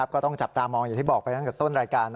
ก็ต้องจับตามองอย่างที่บอกไปตั้งแต่ต้นรายการ